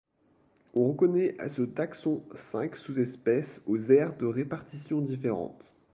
On reconnaît à ce taxon cinq sous-espèces aux aires de répartition différentes.